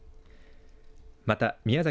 また宮崎